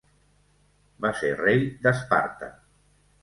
Va ser rei d'Esparta.